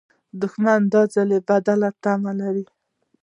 دښمن د ځان بدل تمه لري